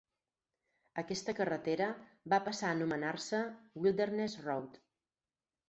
Aquesta carretera va passar a anomenar-se Wilderness Road.